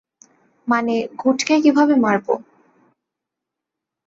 মানে গুডকে কিভাবে মারব?